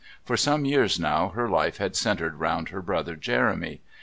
For some years now her life had centred round her brother Jeremy.